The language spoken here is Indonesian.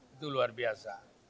itu luar biasa